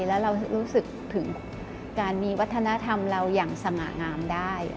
แล้วเรารู้สึกถึงการมีวัฒนธรรมเราอย่างสง่างามได้